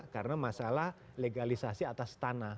karena masalah legalisasi atas tanah